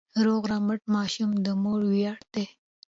روغ رمټ ماشوم د مور ویاړ دی.